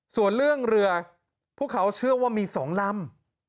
ส่วนเรื่องเรือพวกเขาเชื่อว่ามี๒ลำ